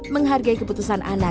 menghargai keputusan anak